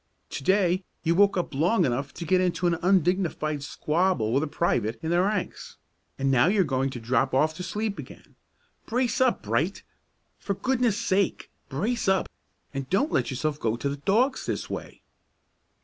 To day you woke up long enough to get into an undignified squabble with a private in the ranks, and now you're going to drop off to sleep again. Brace up, Bright! For goodness' sake, brace up, and don't let yourself go to the dogs this way!"